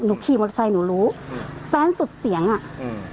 ขี่มอเตอร์ไซค์หนูรู้แฟนสุดเสียงอ่ะอืม